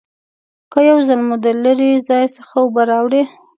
که یو ځل مو د لرې ځای څخه اوبه راوړي